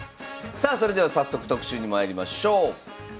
さあそれでは早速特集にまいりましょう。